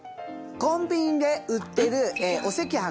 コンビニで売ってる。